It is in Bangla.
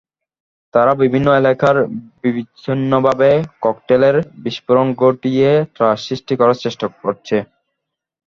তারা বিভিন্ন এলাকায় বিছিন্নভাবে ককটেলের বিস্ফোরণ ঘটিয়ে ত্রাস সৃষ্টি করার চেষ্টা করছে।